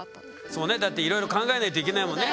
だっていろいろ考えないといけないもんね。